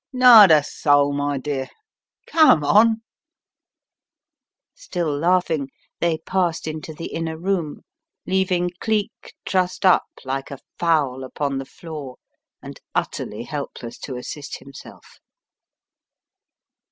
"Not a soul, my dear. Come on!" Dollops Takes a Hand 213 Still laughing, they passed into the inner room, leaving Cleek trussed up like a fowl upon the floor and utterly helpless to assist himself.